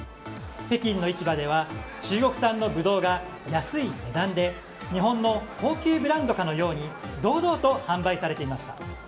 北京の市場では中国産のブドウが安い値段で日本の高級ブランドかのように堂々と販売されていました。